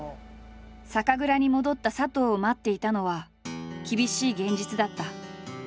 酒蔵に戻った佐藤を待っていたのは厳しい現実だった。